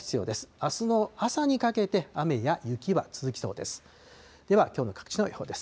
あすの朝にかけて雨や雪は続きそうです。